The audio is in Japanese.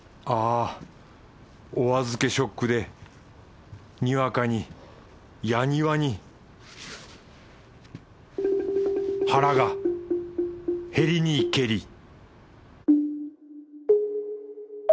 あおあずけショックでにわかにやにわに腹が減りにけり